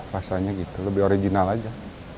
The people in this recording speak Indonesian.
rasanya gitu lebih original aja